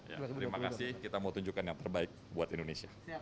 ya terima kasih kita mau tunjukkan yang terbaik buat indonesia